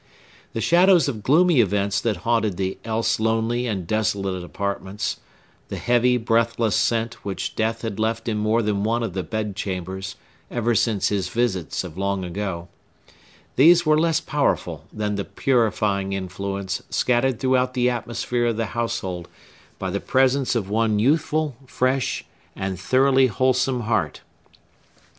The shadows of gloomy events that haunted the else lonely and desolate apartments; the heavy, breathless scent which death had left in more than one of the bedchambers, ever since his visits of long ago,—these were less powerful than the purifying influence scattered throughout the atmosphere of the household by the presence of one youthful, fresh, and thoroughly wholesome heart.